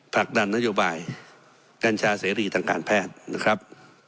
ผลักดันนโยบายกัญชาเสรีทางการแพทย์นะครับ